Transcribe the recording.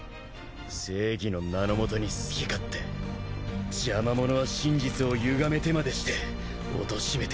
正義の名の下に好き勝手邪魔者は真実をゆがめてまでしておとしめてたたきつぶす。